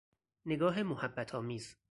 نگاه محبت آمیز